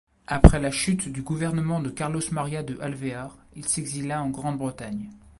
Après la chute du gouvernement de Carlos María de Alvear, il s'exila en Grande-Bretagne.